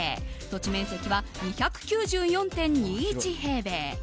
土地面積は２９４．２１平米。